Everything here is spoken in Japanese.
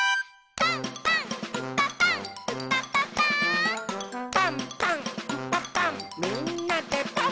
「パンパンんパパンみんなでパン！」